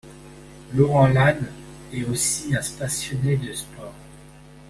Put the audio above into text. Laurent Lasne est aussi un passionné de sport.